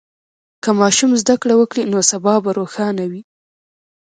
که ماشوم زده کړه وکړي، نو سبا به روښانه وي.